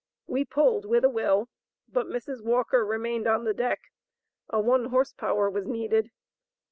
We pulled with a will, but Mrs. Walker remained on the deck. A one horse power was needed.